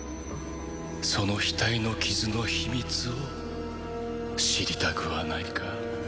その額の傷の秘密を知りたくはないか？